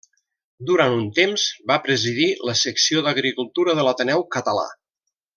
Durant un temps va presidir la secció d'agricultura de l'Ateneu Català.